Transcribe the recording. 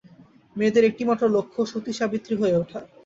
মেয়েদের একটিমাত্র লক্ষ্য সতী-সাবিত্রী হয়ে ওঠা।